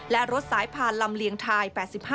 และรถสายผ่านลำเลียงทาย๘๕